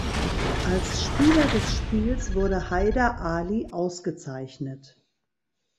Als Spieler des Spiels wurde Haider Ali ausgezeichnet.